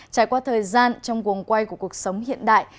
trải qua thời gian trong quần quay của cuộc sống hiện đại